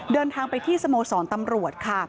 เดินทางไปที่สโมสรตำรวจค่ะ